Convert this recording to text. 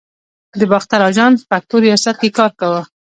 د باختر آژانس پښتو ریاست کې کار کاوه.